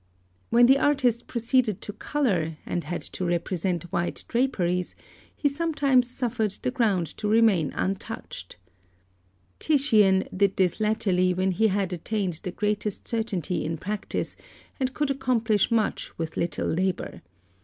When the artist proceeded to colour, and had to represent white draperies, he sometimes suffered the ground to remain untouched. Titian did this latterly when he had attained the greatest certainty in practice, and could accomplish much with little labour.